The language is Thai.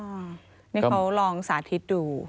นี่เขาลองสาธิตดู